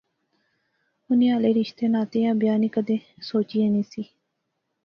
انی ہالے رشتے ناطے یا بیاہ نی کیدے سوچی ایہہ نہسی